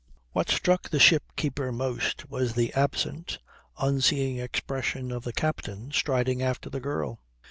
What struck the ship keeper most was the absent, unseeing expression of the captain, striding after the girl.